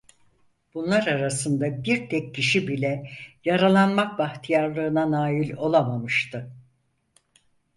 Bunlar arasında bir tek kişi bile yaralanmak bahtiyarlığına nâil olamamıştı.